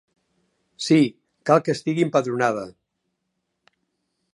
Sí, cal que estigui empadronada.